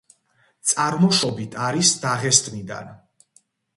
წარმოშობით არის დაღესტნიდან.